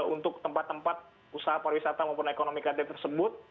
untuk tempat tempat usaha pariwisata maupun ekonomi kreatif tersebut